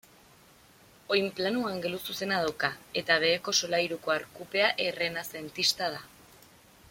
Oinplano angeluzuzena dauka, eta beheko solairuko arkupea errenazentista da.